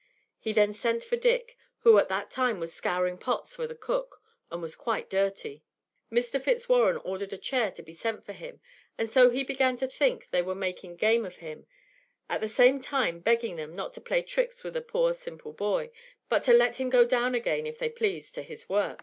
He then sent for Dick, who at that time was scouring pots for the cook, and was quite dirty. Mr. Fitzwarren ordered a chair to be set for him, and so he began to think they were making game of him, at the same time begging them not to play tricks with a poor simple boy, but to let him go down again, if they pleased, to his work.